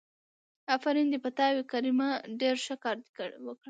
آفرين دې په تا وي کريمه ډېر ښه کار دې وکړ.